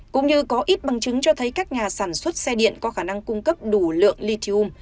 cũng như có ít bằng chứng cho thấy các nhà sản xuất xe điện có khả năng cung cấp đủ lượng lithium